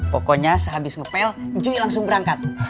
pokoknya sehabis ngepel jui langsung berangkat